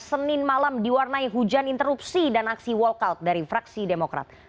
senin malam diwarnai hujan interupsi dan aksi walkout dari fraksi demokrat